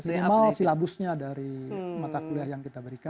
minimal silabusnya dari mata kuliah yang kita berikan